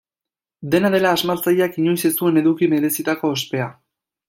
Dena dela, asmatzaileak inoiz ez zuen eduki merezitako ospea.